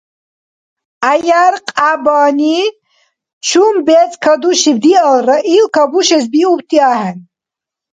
ГӀяяркьябани чум бецӀ кадушиб диалра, ил кабушес биубти ахӀен.